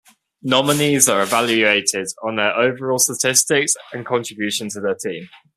Nominees are evaluated on their overall statistics and contribution to the team.